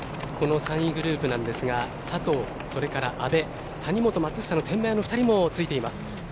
この３位グループなんですが佐藤、それから阿部谷本、松下の天満屋の２人もついています。